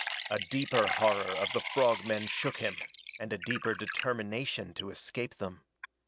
A deeper horror of the frog men shook him, and a deeper determination to escape them.